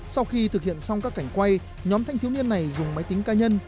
sau khi thực hiện xong các cảnh quay nhóm thanh thiếu niên này dùng máy tính ca nhân